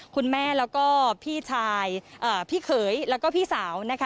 คุณแม่แล้วก็พี่ชายพี่เขยแล้วก็พี่สาวนะคะ